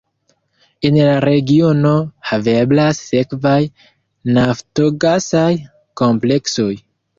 En la regiono haveblas sekvaj naftogasaj kompleksoj.